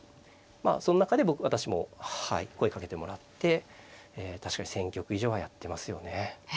その中で私もはい声かけてもらって確かに１，０００局以上はやってますよね。